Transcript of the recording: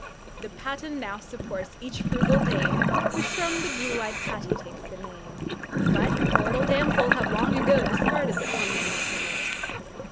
The patten now supports each frugal dame, Which from the blue eyed Patty takes the name. But mortal damsels have long ago discarded the clumsy implement.